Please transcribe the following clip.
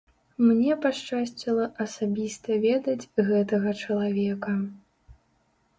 Мне пашчасціла асабіста ведаць гэтага чалавека.